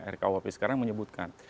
rkuhp sekarang menyebutkan